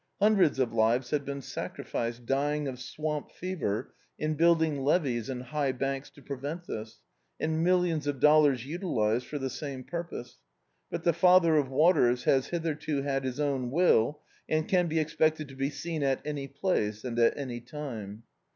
Hundreds of lives had been sacrificed, dying of swamp fever, in build ing levees and high banks to prevent this, and mil lions of dollars utilised for the same purpose — but the Father of Waters has hitherto had his own will, and can be expected to be seen at any place, and at any rime.